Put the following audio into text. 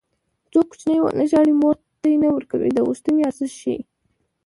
څو کوچنی ونه ژاړي مور تی نه ورکوي د غوښتنې ارزښت ښيي